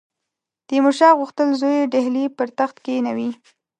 تیمورشاه غوښتل زوی ډهلي پر تخت کښېنوي.